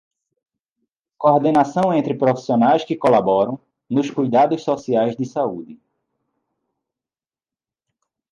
Coordenação entre profissionais que colaboram nos cuidados sociais de saúde.